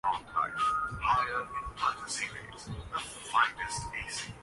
حضرت بھی کل کہیں گے کہ ہم کیا کیا کیے